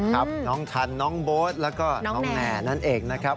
ครับน้องทันน้องโบ๊ทแล้วก็น้องแหน่นั่นเองนะครับ